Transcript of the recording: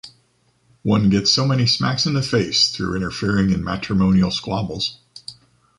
One gets so many smacks in the face through interfering in matrimonial squabbles.